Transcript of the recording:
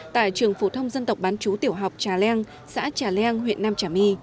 tại trường phụ thông dân tộc bán chú tiểu học trà leng xã trà leng huyện nam trả my